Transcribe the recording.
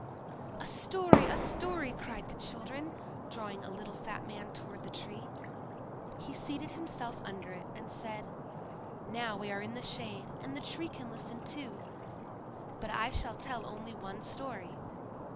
"A story! a story!" cried the children, drawing a little fat man toward the Tree. He seated himself under it, and said: "Now we are in the shade, and the Tree can listen too. But I shall tell only one story.